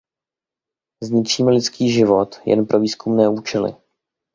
Zničíme lidský život, jen pro výzkumné účely.